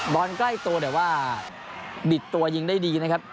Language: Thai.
ใกล้ตัวแต่ว่าบิดตัวยิงได้ดีนะครับ